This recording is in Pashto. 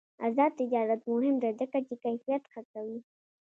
آزاد تجارت مهم دی ځکه چې کیفیت ښه کوي.